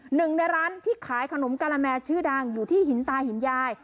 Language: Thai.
หนึ่งในร้านที่ขายขนมกะละแมชื่อดังอยู่ที่หินตาหินยาย